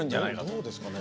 どうですかね。